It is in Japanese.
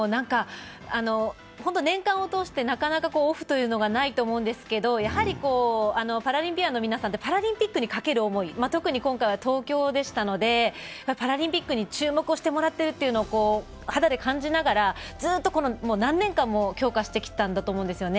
本当に年間を通してなかなかオフがないと思うんですけど、パラリンピアの皆さんってパラリンピックに懸ける思い、特に今回は東京でしたのでパラリンピックに注目してもらってるというのを肌で感じながらずっと何年間も強化してきたんだと思うんですね。